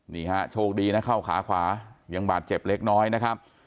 นี่ฮะโชคดีนะเข้าขาขวายังบาดเจ็บเล็กน้อยนะครับ